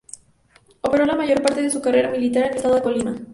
Operó la mayor parte de su carrera militar en el Estado de Colima.